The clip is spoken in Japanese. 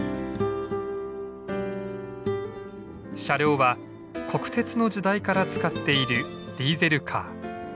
車両は国鉄の時代から使っているディーゼルカー。